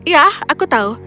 iya aku tahu